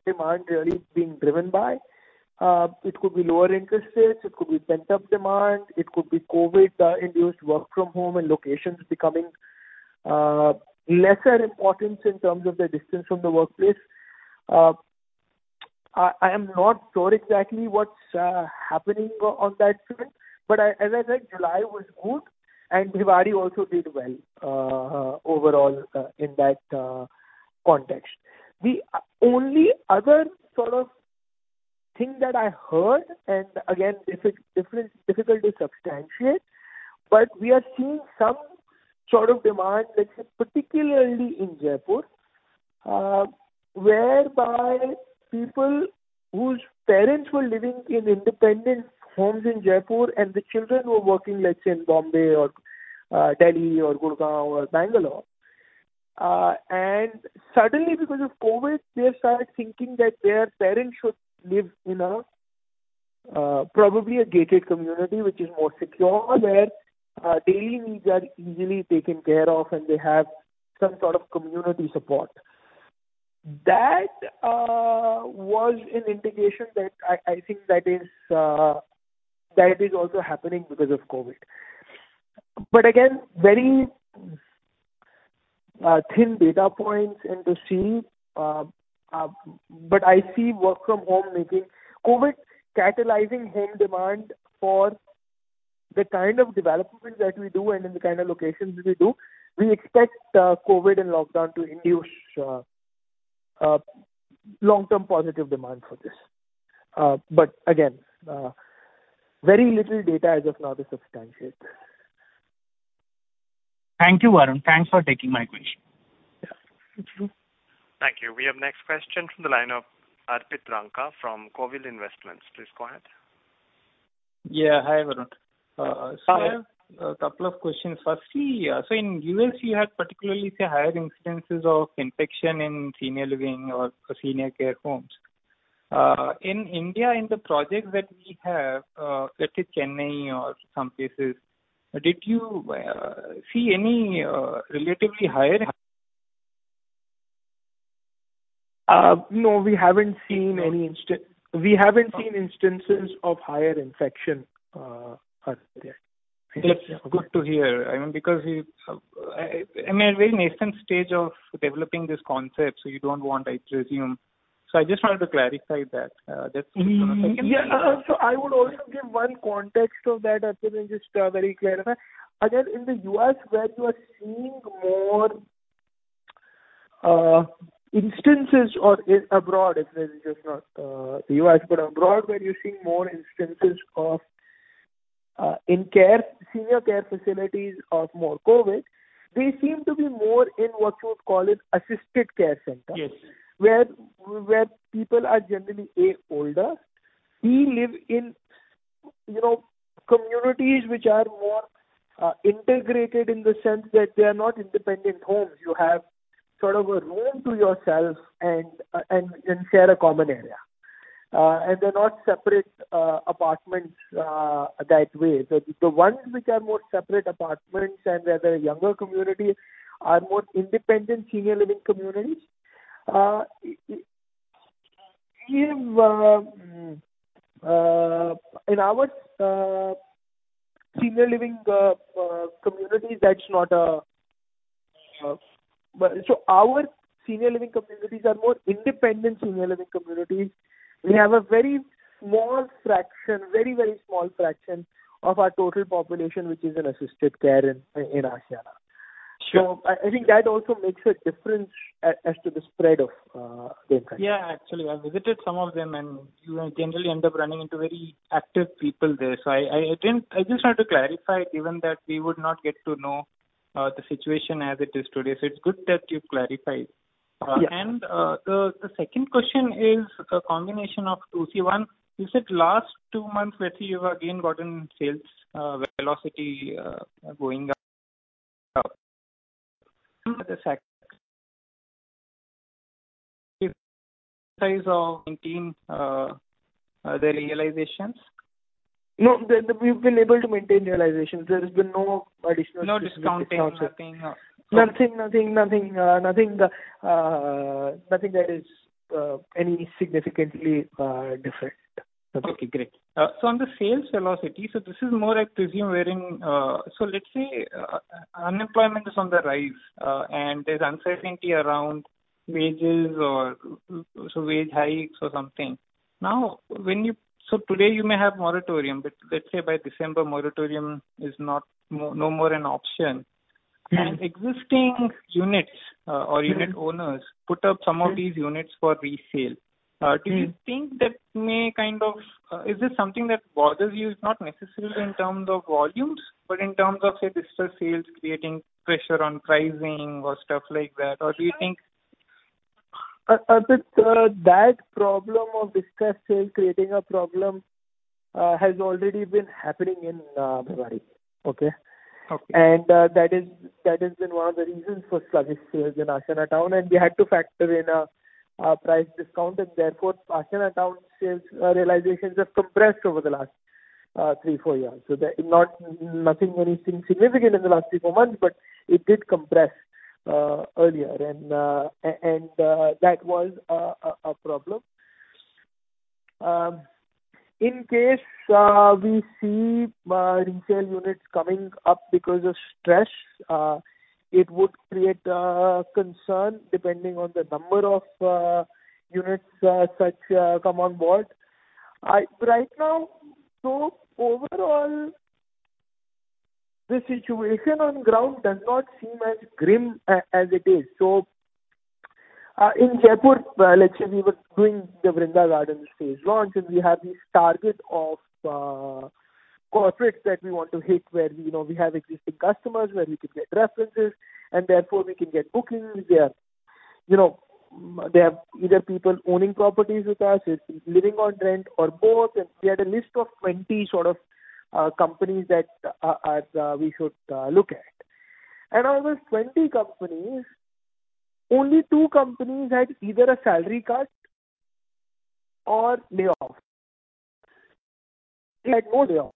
demand really being driven by. It could be lower interest rates, it could be pent-up demand, it could be COVID, induced work from home and locations becoming, lesser importance in terms of the distance from the workplace. I, I am not sure exactly what's, happening on that front, but as I said, July was good, and Bhiwadi also did well, overall, in that, context. The only other sort of thing that I heard, and again, difficult to substantiate, but we are seeing some sort of demand, let's say, particularly in Jaipur, whereby people whose parents were living in independent homes in Jaipur and the children were working, let's say, in Bombay or Delhi or Gurgaon or Bangalore. And suddenly because of COVID, they've started thinking that their parents should live in a probably a gated community which is more secure, where daily needs are easily taken care of, and they have some sort of community support. That was an indication that I think that is also happening because of COVID. But again, very thin data points and to see, but I see work from home making COVID catalyzing home demand for the kind of development that we do and in the kind of locations we do. We expect COVID and lockdown to induce long-term positive demand for this. But again, very little data as of now to substantiate. Thank you, Varun. Thanks for taking my question. Yeah, thank you. Thank you. We have next question from the line of Arpit Ranka from Kovill Investments. Please go ahead. Yeah. Hi, Varun. Hi. So a couple of questions. Firstly, so in U.S., you had particularly, say, higher instances of infection in senior living or senior care homes. In India, in the projects that we have, let's say Chennai or some places, did you see any relatively higher? No, we haven't seen any instances of higher infection as yet. That's good to hear, I mean, because we, I mean, a very nascent stage of developing this concept, so you don't want, I presume. So I just wanted to clarify that, that's Mm-hmm. Yeah, so I would also give one context of that, Arpit, and just to clarify. Again, in the U.S., where you are seeing more instances or abroad, it's really just not U.S., but abroad, where you're seeing more instances of in senior care facilities of more COVID. They seem to be more in what you would call an assisted care center. Yes. Where people are generally older, we live in, you know, communities which are more integrated in the sense that they are not independent homes. You have sort of a room to yourself and share a common area. And they're not separate apartments that way. The ones which are more separate apartments and where the younger community are more independent senior living communities. We've in our senior living communities, that's not. But so our senior living communities are more independent senior living communities. We have a very small fraction, very, very small fraction of our total population, which is in assisted care in Ashiana. Sure. I think that also makes a difference as to the spread of the infection. Yeah. Actually, I visited some of them, and you generally end up running into very active people there. So I didn't... I just want to clarify, given that we would not get to know the situation as it is today. So it's good that you've clarified. Yeah. And, the second question is a combination of two. See, one, you said last two months, let's say, you've again gotten sales velocity going up. The fact size of maintain the realizations? No, we've been able to maintain realizations. There has been no additional- No discounting, nothing? Nothing that is any significantly different. Okay, great. So on the sales velocity, so this is more I presume we're in... So let's say, unemployment is on the rise, and there's uncertainty around wages or so wage hikes or something. Now, so today you may have moratorium, but let's say by December, moratorium is no more an option... And existing units, or unit owners put up some of these units for resale. Do you think that may kind of, is this something that bothers you? It's not necessarily in terms of volumes, but in terms of, say, distressed sales creating pressure on pricing or stuff like that? Or do you think- That problem of distressed sale creating a problem has already been happening in Bhiwadi. Okay? Okay. That is, that has been one of the reasons for sluggish sales in Ashiana Town, and we had to factor in a price discount, and therefore Ashiana Town sales realizations have compressed over the last 3-4 years. So they're not anything significant in the last 3-4 months, but it did compress earlier and that was a problem. In case we see resale units coming up because of stress, it would create concern depending on the number of units such come on board. Right now, so overall, the situation on ground does not seem as grim as it is. So, in Jaipur, let's say we were doing the Vrinda Gardens phase launch, and we have this target of, corporates that we want to hit, where, you know, we have existing customers where we can get references, and therefore we can get bookings. They are, you know, they are either people owning properties with us, it's living on rent or both. And we had a list of 20 sort of, companies that are, we should, look at. And out of those 20 companies, only two companies had either a salary cut or layoff. They had no layoff.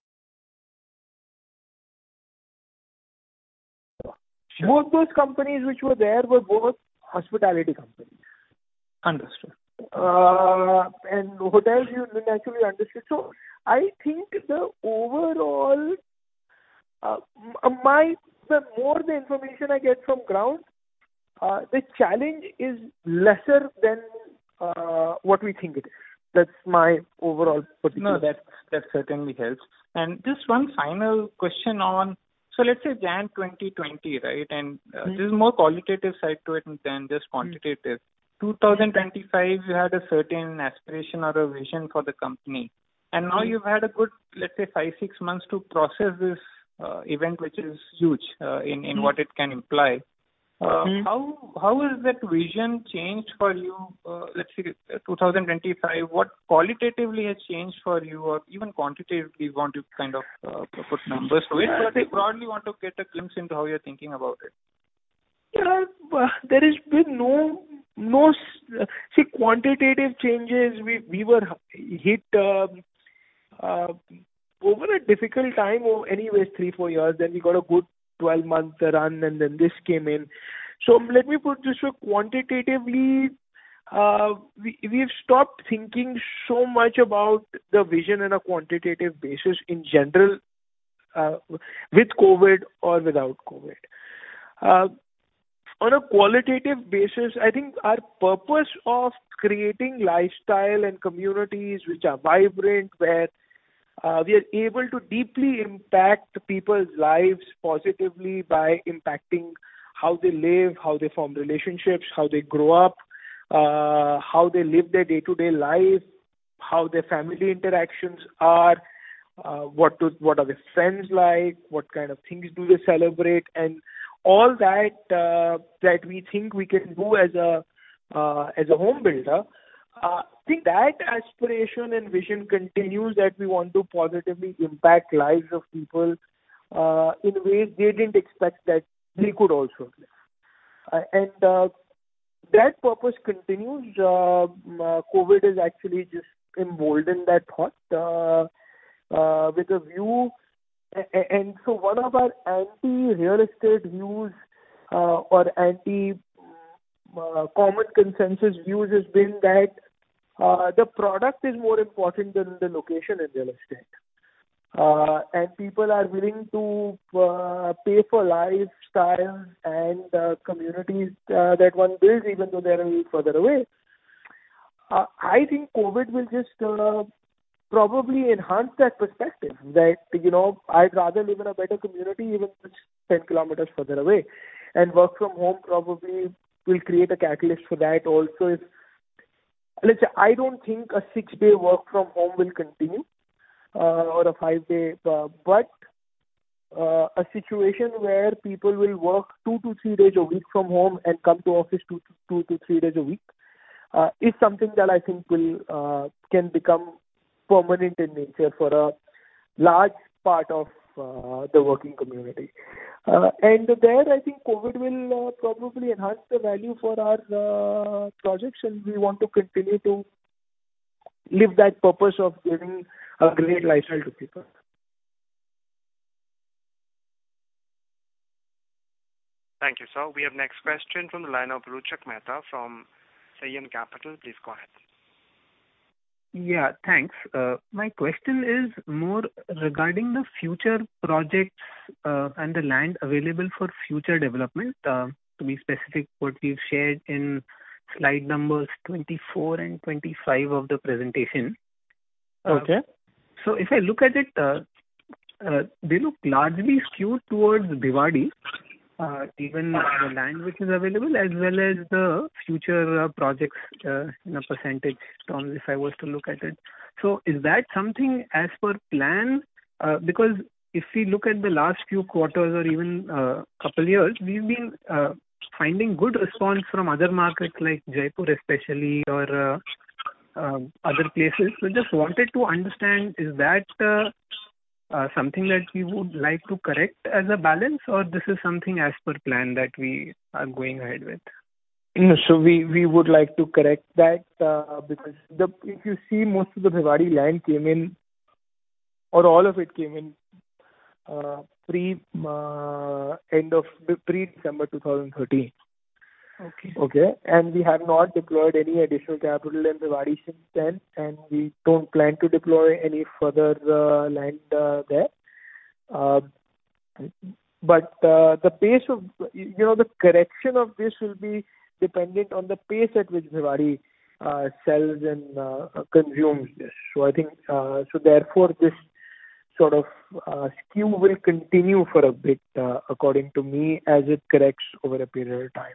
Sure. Both those companies which were there were both hospitality companies. Understood. And hotels, you naturally understood. So I think the overall, my... The more the information I get from ground, the challenge is lesser than what we think it is. That's my overall perspective. No, that, that certainly helps. Just one final question on... So let's say January 2020, right? Mm-hmm. This is more qualitative side to it than just quantitative. Mm. 2025, you had a certain aspiration or a vision for the company. Mm. Now you've had a good, let's say, five, six months to process this event, which is huge. Mm... in what it can imply. Mm. How has that vision changed for you? Let's say 2025, what qualitatively has changed for you, or even quantitatively, want to kind of put numbers to it? Yeah. I broadly want to get a glimpse into how you're thinking about it. Yeah. There has been no quantitative changes, we were hit over a difficult time anyway, 3, 4 years. Then we got a good 12-month run, and then this came in. So let me put this way, quantitatively, we've stopped thinking so much about the vision in a quantitative basis in general, with COVID or without COVID. On a qualitative basis, I think our purpose of creating lifestyle and communities which are vibrant, where we are able to deeply impact people's lives positively by impacting how they live, how they form relationships, how they grow up, how they live their day-to-day life, how their family interactions are, what are their friends like, what kind of things do they celebrate? And all that, that we think we can do as a, as a home builder, I think that aspiration and vision continues, that we want to positively impact lives of people, in ways they didn't expect that we could also. And, that purpose continues. COVID has actually just emboldened that thought, with a view. And so one of our anti-real estate views, or anti, common consensus views has been that, the product is more important than the location in real estate. And people are willing to, pay for lifestyles and, communities, that one builds, even though they're a little further away. I think COVID will just, probably enhance that perspective, that, you know, I'd rather live in a better community, even if it's 10 km further away. Work from home probably will create a catalyst for that also. Let's say, I don't think a six-day work from home will continue, or a five-day, but a situation where people will work two to three days a week from home and come to office two to three days a week is something that I think can become permanent in nature for a large part of the working community. There, I think COVID will probably enhance the value for our projects, and we want to continue to live that purpose of giving a great lifestyle to people. Thank you, sir. We have next question from the line of Ruchak Mehta from Sayan Capital. Please go ahead. Yeah, thanks. My question is more regarding the future projects and the land available for future development. To be specific, what you've shared in slide numbers 24 and 25 of the presentation.... Okay. So if I look at it, they look largely skewed towards Bhiwadi, even the land which is available as well as the future projects, in a percentage terms, if I was to look at it. So is that something as per plan? Because if we look at the last few quarters or even couple years, we've been finding good response from other markets like Jaipur especially or other places. So just wanted to understand, is that something that we would like to correct as a balance, or this is something as per plan that we are going ahead with? No. So we, we would like to correct that, because if you see most of the Bhiwadi land came in or all of it came in, pre end of pre-December 2013. Okay. Okay? And we have not deployed any additional capital in Bhiwadi since then, and we don't plan to deploy any further, land, there. But, the pace of, you know, the correction of this will be dependent on the pace at which Bhiwadi, sells and, consumes this. So I think, so therefore, this sort of, skew will continue for a bit, according to me, as it corrects over a period of time.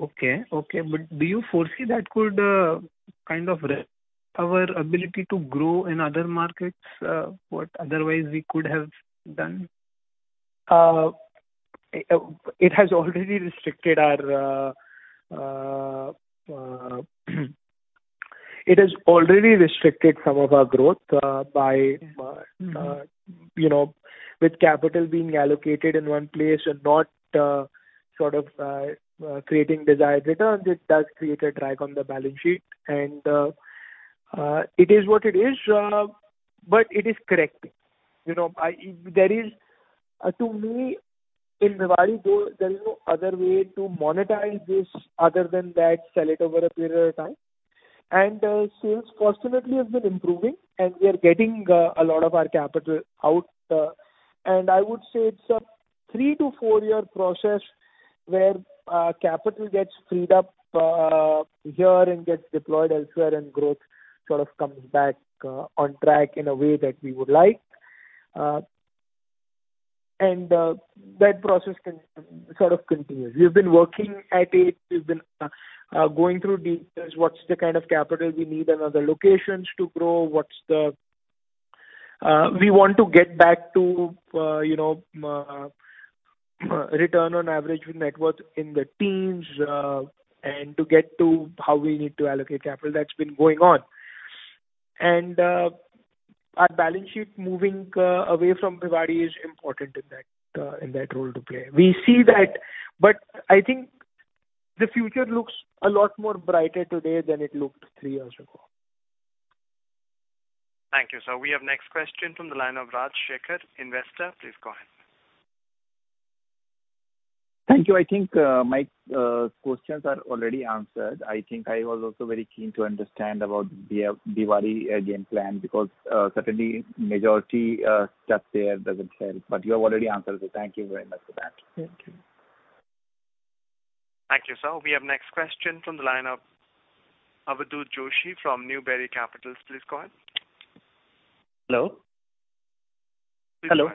Okay. Okay, but do you foresee that could kind of restrict our ability to grow in other markets, what otherwise we could have done? It has already restricted some of our growth by- Mm-hmm. You know, with capital being allocated in one place and not sort of creating desired returns, it does create a drag on the balance sheet. And it is what it is, but it is correct. You know, there is... To me, in Bhiwadi, there is no other way to monetize this other than that, sell it over a period of time. And sales fortunately have been improving, and we are getting a lot of our capital out. And I would say it's a 3-4-year process where capital gets freed up here and gets deployed elsewhere, and growth sort of comes back on track in a way that we would like. And that process can sort of continue. We've been working at it. We've been going through details, what's the kind of capital we need and other locations to grow. We want to get back to, you know, return on average net worth in the teens, and to get to how we need to allocate capital, that's been going on. Our balance sheet moving away from Bhiwadi is important in that, in that role to play. We see that, but I think the future looks a lot more brighter today than it looked three years ago. Thank you. Sir, we have next question from the line of Raj Shekhar, investor. Please go ahead. Thank you. I think, my questions are already answered. I think I was also very keen to understand about the Bhiwadi, game plan, because certainly majority stuck there doesn't help. But you have already answered it. Thank you very much for that. Thank you. Thank you, sir. We have next question from the line of Avadhoot Joshi from Newberry Capital. Please go ahead. Hello? Hello.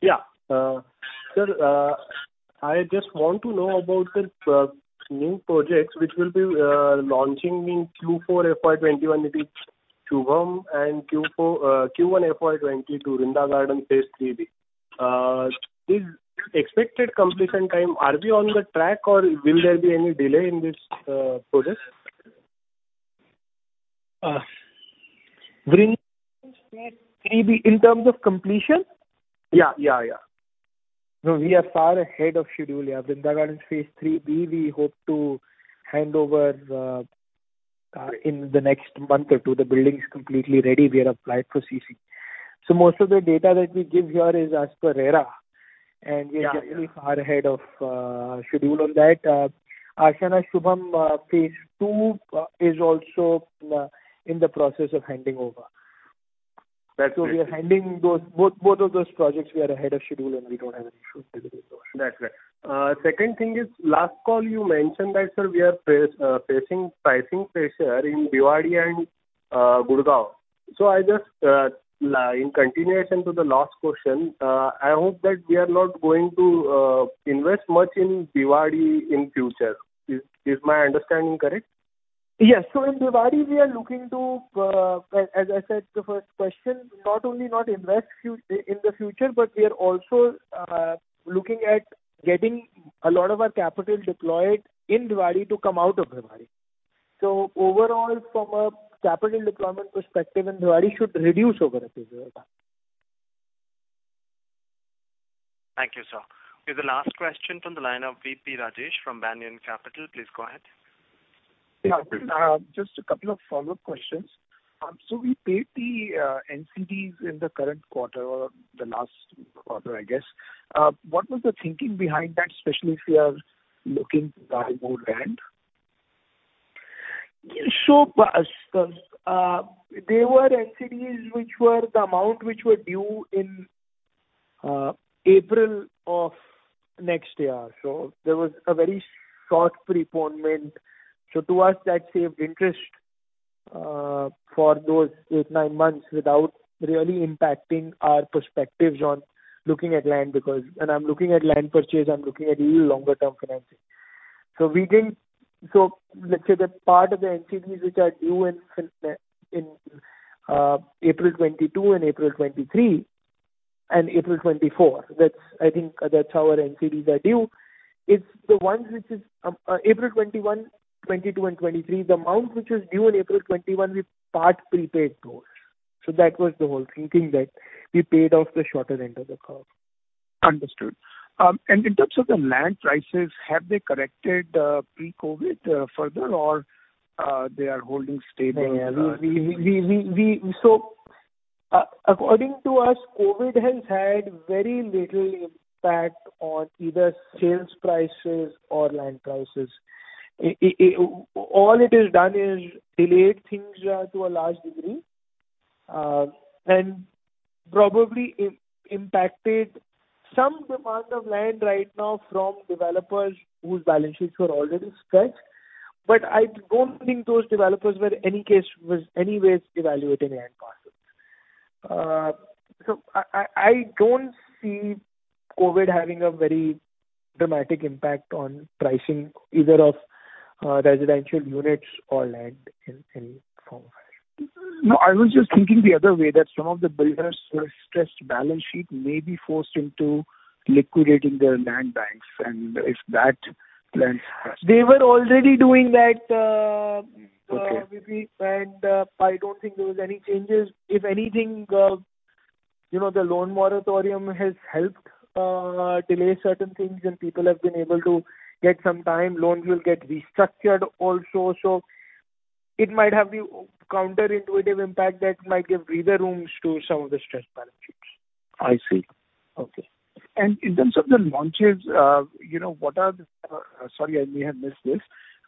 Yeah. Sir, I just want to know about the new projects which will be launching in Q4 FY21, it is Shubham, and Q4, Q1 FY22, Vrinda Gardens Phase IIIb. Is expected completion time, are we on the track, or will there be any delay in this project? Vrinda Phase 3B, in terms of completion? Yeah. Yeah, yeah. No, we are far ahead of schedule, yeah. Vrinda Gardens Phase IIIb, we hope to hand over in the next month or two. The building is completely ready. We have applied for CC. So most of the data that we give here is as per RERA. Yeah. We are far ahead of schedule on that. Ashiana Shubham phase two is also in the process of handing over. That's great. We are handing over both of those projects. We are ahead of schedule, and we don't have any issues with it as well. That's right. Second thing is, last call you mentioned that sir, we are facing pricing pressure in Bhiwadi and, Gurgaon. So I just, in continuation to the last question, I hope that we are not going to invest much in Bhiwadi in future. Is my understanding correct? Yes. So in Bhiwadi, we are looking to, as I said, the first question, not only not invest in the future, but we are also looking at getting a lot of our capital deployed in Bhiwadi to come out of Bhiwadi. So overall, from a capital deployment perspective, and Bhiwadi should reduce over a period of time. Thank you, sir. The last question from the line of VP Rajesh from Banyan Capital. Please go ahead. Yeah, just a couple of follow-up questions. So we paid the NCDs in the current quarter or the last quarter, I guess. What was the thinking behind that, especially if we are looking to buy more land? So, there were NCDs which were the amount which were due in April of next year. So there was a very short postponement. So to us, that saved interest for those 8-9 months without really impacting our perspectives on looking at land, because when I'm looking at land purchase, I'm looking at even longer-term financing. So we didn't. So let's say that part of the NCDs which are due in April 2022 and April 2023 and April 2024, that's, I think that's our NCDs are due. It's the ones which is April 2021, 2022 and 2023, the amount which is due in April 2021, we part prepaid those. So that was the whole thinking that we paid off the shorter end of the curve. Understood. In terms of the land prices, have they corrected pre-COVID further, or they are holding stable? Yeah, according to us, COVID has had very little impact on either sales prices or land prices. All it has done is delayed things to a large degree, and probably impacted some demand of land right now from developers whose balance sheets were already stretched. But I don't think those developers, in any case, weren't anyways evaluating land parcels. So I don't see COVID having a very dramatic impact on pricing, either of residential units or land in any form or fashion. No, I was just thinking the other way, that some of the builders who are stressed balance sheet may be forced into liquidating their land banks, and if that then- They were already doing that, Okay. I don't think there was any changes. If anything, you know, the loan moratorium has helped delay certain things, and people have been able to get some time. Loans will get restructured also, so it might have the counterintuitive impact that might give breathing room to some of the stressed balance sheets. I see. Okay. And in terms of the launches, you know, what are the... Sorry, I may have missed this.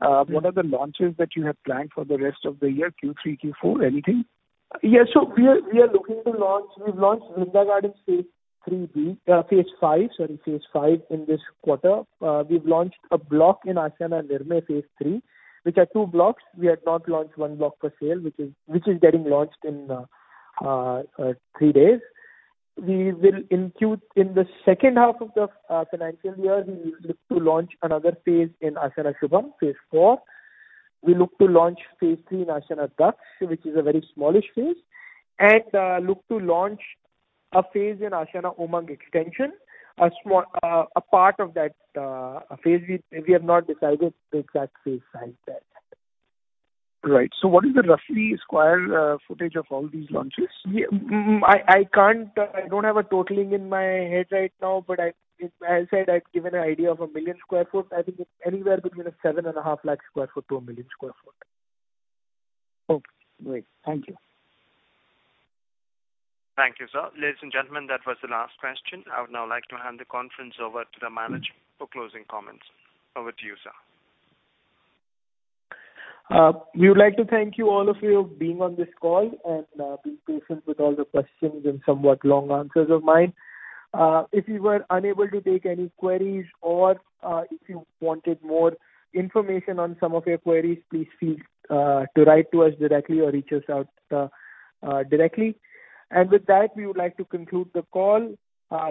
Yeah. What are the launches that you have planned for the rest of the year, Q3, Q4, anything? Yeah. So we are looking to launch. We've launched Vrinda Gardens phase 3B, phase 5, sorry, phase 5 in this quarter. We've launched a block in Ashiana Nirmay phase 3, which are two blocks. We had not launched one block for sale, which is getting launched in three days. We will include in the second half of the financial year. We look to launch another phase in Ashiana Shubham, phase 4. We look to launch phase 3 in Ashiana Daksh, which is a very smallish phase, and look to launch a phase in Ashiana Umang extension. A small part of that phase we have not decided the exact phase size yet. Right. So what is the roughly square footage of all these launches? Yeah. I can't, I don't have a totaling in my head right now, but, as I said, I've given an idea of 1 million sq ft. I think it's anywhere between 7.5 lakh sq ft to 1 million sq ft. Okay, great. Thank you. Thank you, sir. Ladies and gentlemen, that was the last question. I would now like to hand the conference over to the management for closing comments. Over to you, sir. We would like to thank you, all of you, being on this call and, being patient with all the questions and somewhat long answers of mine. If we were unable to take any queries or, if you wanted more information on some of your queries, please feel to write to us directly or reach us out, directly. With that, we would like to conclude the call.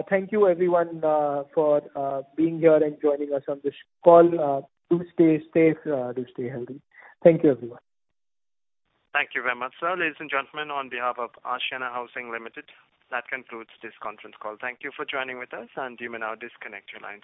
Thank you everyone, for being here and joining us on this call. Do stay safe, do stay healthy. Thank you, everyone. Thank you very much, sir. Ladies and gentlemen, on behalf of Ashiana Housing Limited, that concludes this conference call. Thank you for joining with us, and you may now disconnect your lines.